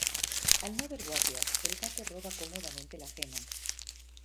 Al no haber guardias, el "Gato" roba cómodamente la gema.